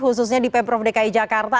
khususnya di pemprov dki jakarta